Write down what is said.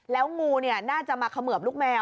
แล้วงูน่าจะมาเขมือบลูกแมว